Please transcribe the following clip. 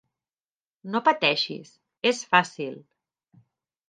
No pateixis, és fàcil.